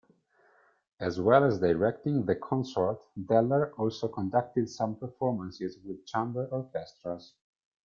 As well as directing the Consort, Deller also conducted some performances with chamber orchestras.